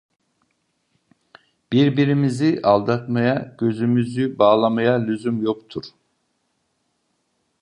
Birbirimizi aldatmaya, gözümüzü bağlamaya lüzum yoktur.